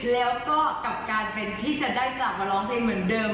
แล้วก็กับการเป็นที่จะได้กลับมาร้องเพลงเหมือนเดิม